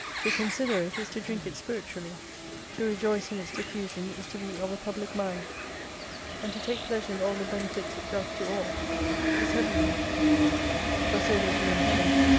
To consider it, is to drink it spiritually. To rejoice in its diffusion is to be of a public mind. And to take pleasure in all the benefits it doth to all is Heavenly, for '9 so they do in Heaven.